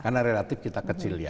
karena relatif kita kecil ya